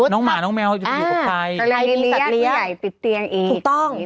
น้องหมาน้องแมวจะอยู่ที่ไหน